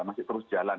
masih terus jalan